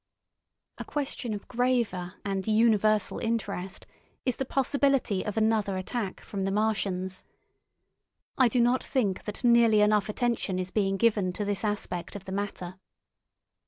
A question of graver and universal interest is the possibility of another attack from the Martians. I do not think that nearly enough attention is being given to this aspect of the matter.